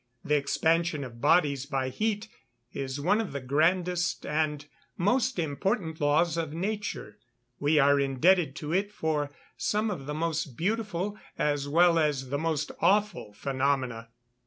The expansion of bodies by heat is one of the grandest and most important laws of nature. We are indebted to it for some of the most beautiful, as well as the most awful, phenomena.